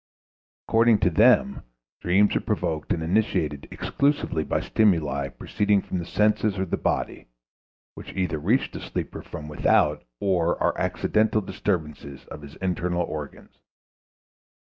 According to them dreams are provoked and initiated exclusively by stimuli proceeding from the senses or the body, which either reach the sleeper from without or are accidental disturbances of his internal organs.